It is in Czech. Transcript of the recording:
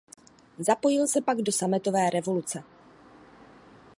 Zapojil se pak do sametové revoluce.